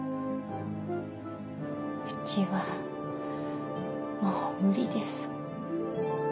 うちはもう無理です。